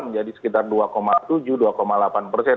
menjadi sekitar dua tujuh dua delapan persen